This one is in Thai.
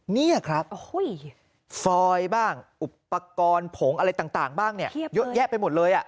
นี่ครับฟอยบ้างอุปกรณ์ผงอะไรต่างบ้างเนี่ยเยอะแยะไปหมดเลย